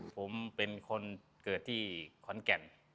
ผมเป็นคนเกิดที่ขอนแก่น